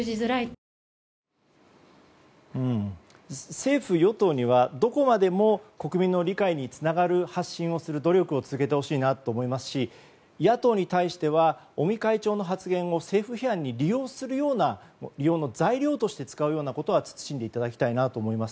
政府・与党にはどこまでも国民の理解につながる発信をする努力を続けてほしいと思いますし野党に対しては尾身会長の発言を政府批判に利用する材料として使うことは慎んでいただきたいと思います。